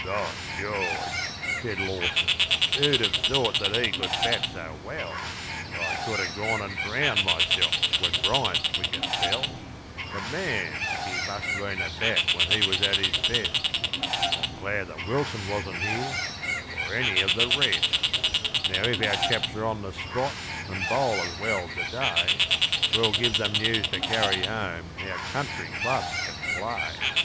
"By George," said Lawson, "who'd have thought that he could bat so well! I could have gone and drowned myself when Bryant's wicket fell; But, man, he must have been a bat when he was at his best, I'm glad that Wilson wasn't here, or any of the rest; Now, if our chaps are on the spot, and bowl as well to day, We'll give them news to carry home how country clubs can play."